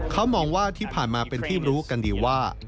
เขามองว่าที่ผ่านมาเป็นที่รู้กันดีว่า